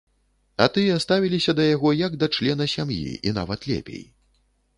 А тыя ставіліся да яго, як да члена сям'і і нават лепей.